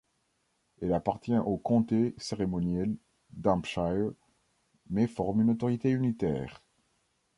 Elle appartient au comté cérémoniel d'Hampshire, mais forme une autorité unitaire.